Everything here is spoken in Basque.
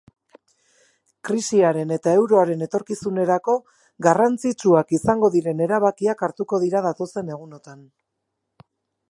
Krisiaren eta euroaren etorkizunerako garrantzitsua izango diren erabakiak hartuko dira datozen egunotan.